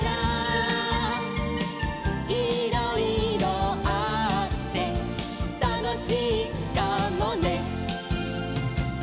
「いろいろあってたのしいかもね」